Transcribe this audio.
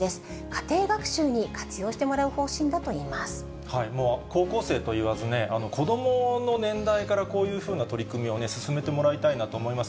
家庭学習に活用してもらう方針だもう、高校生といわず、子どもの年代から、こういうふうな取り組みを進めてもらいたいなと思います。